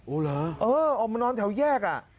โอ้เหรอเออออกมานอนแถวแยก